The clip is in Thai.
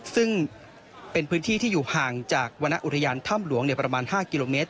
ซึ่งเป็นพื้นที่ที่อยู่ห่างจากวรรณอุทยานถ้ำหลวงประมาณ๕กิโลเมตร